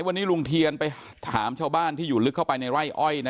วันนี้ลุงเทียนไปถามชาวบ้านที่อยู่ลึกเข้าไปในไร่อ้อย